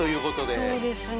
そうですね。